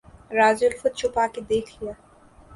راز الفت چھپا کے دیکھ لیا